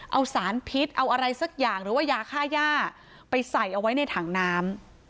เอาสารพิษเอาอะไรสักอย่างหรือว่ายาค่าย่าไปใส่เอาไว้ในถังน้ำ